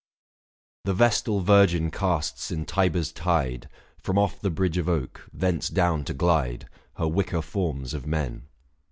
The vestal virgin casts in Tiber's tide, 705 From off the bridge of oak, thence down to glide, Her wicker forms of men.